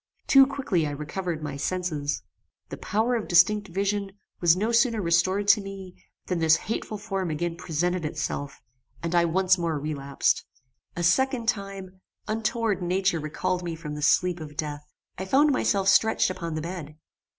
Too quickly I recovered my senses. The power of distinct vision was no sooner restored to me, than this hateful form again presented itself, and I once more relapsed. A second time, untoward nature recalled me from the sleep of death. I found myself stretched upon the bed.